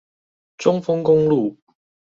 中豐公路